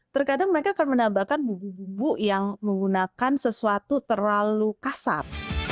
terkadang mereka akan menambahkan bumbu bumbu yang menggunakan sesuatu terlalu kasar